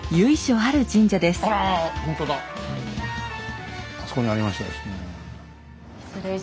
あそこにありましたですね。